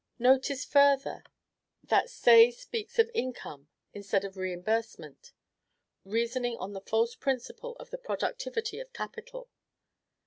Notice, further, that Say speaks of INCOME instead of REIMBURSEMENT; reasoning on the false principle of the productivity of capital.